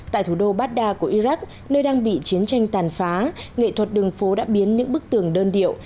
tại thủ đô baghdad của iraq nơi đang bị chiến tranh tàn phá nghệ thuật đường phố đã biến những bức tường đơn điệu